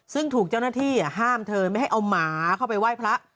ซึ่งถูกเจ้าหน้าที่ห้ามเธอไม่ให้เอาหมาเข้าไปไหว้พระ